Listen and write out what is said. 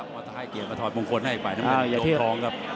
มาถอดมงคลให้อีกฝ่ายน้ำเงินนี่โดมทองครับ